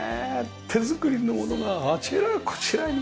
手作りのものがあちらこちらにあります。